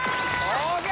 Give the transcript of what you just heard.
ＯＫ